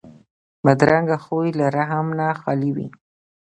بدرنګه خوی له رحم نه خالي وي